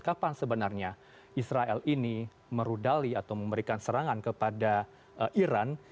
kapan sebenarnya israel ini merudali atau memberikan serangan kepada iran